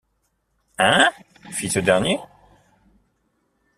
Hein ? fit ce dernier.